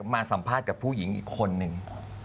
มาสัมภาษณ์กับผู้หญิงอีกคนนึง